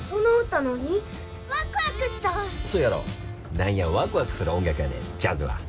何やワクワクする音楽やねんジャズは。